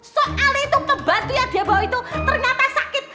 soal itu pembantu yang dia bawa itu ternyata sakit